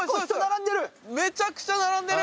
めちゃくちゃ並んでる。